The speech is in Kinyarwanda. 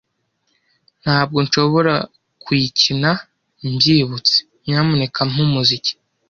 Ntabwo nshobora kuyikina mbyibutse. Nyamuneka mpa umuziki.